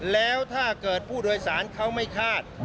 แล้วถ้าเกิดผู้โดยสารเขาไม่คาด